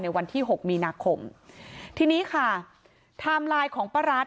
วันที่หกมีนาคมทีนี้ค่ะไทม์ไลน์ของป้ารัฐ